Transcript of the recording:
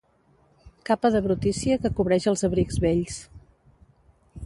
Capa de brutícia que cobreix els abrics vells.